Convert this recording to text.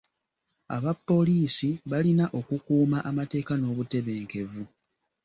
Abapoliisi balina okukuuma amateeka n'obutebenkevu.